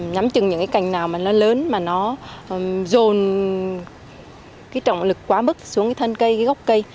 nhắm chừng những cành nào lớn mà nó dồn trọng lực quá bức xuống thân cây góc cây